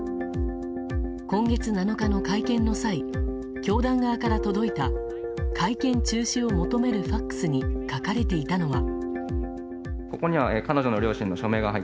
今月７日の会見の際教団側から届いた会見中止を求めるＦＡＸに書かれていたのは。